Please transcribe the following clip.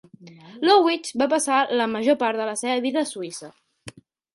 Ludwig va passar la major part de la seva vida a Suïssa.